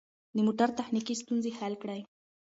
د موټر تخنیکي ستونزې حل کړئ.